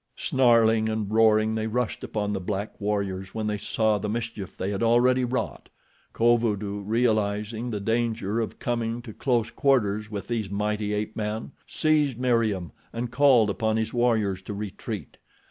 Snarling and roaring they rushed upon the black warriors when they saw the mischief they had already wrought. Kovudoo, realizing the danger of coming to close quarters with these mighty ape men, seized Meriem and called upon his warriors to retreat.